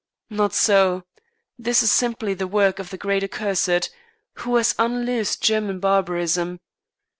Not so! This is simply the work of the great Accursed, who has unloosed German barbarism.